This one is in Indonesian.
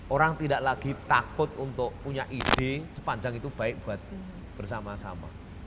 orang tidak lagi takut untuk punya ide sepanjang itu baik buat bersama sama